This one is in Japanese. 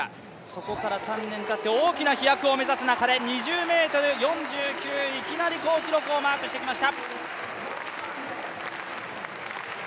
そこから３年たって大きな飛躍を目指す中で２０ｍ４９、いきなり好記録をマークしてきました。